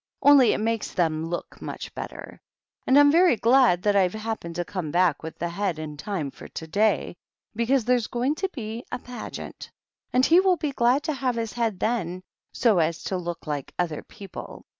"Onlyi it makes them look much better. And I'm very ' glad that I've happened to come back with the head in time for to day, because there's going to be a Pageant, and he will be glad to have bis head then, so as to look like other people.